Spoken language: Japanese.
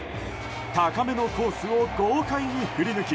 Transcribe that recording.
高めのコースを豪快に振り抜き